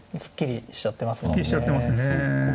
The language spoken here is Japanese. すっきりしちゃってますね。